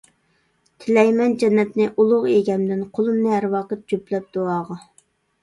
تىلەيمەن جەننەتنى ئۇلۇغ ئىگەمدىن، قولۇمنى ھەر ۋاقىت جۈپلەپ دۇئاغا.